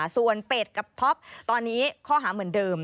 ส่วนเป็ดกับท็อปตอนนี้ข้อหาเหมือนเดิม